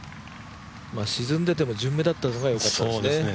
沈んでても順目だったのが良かったですね。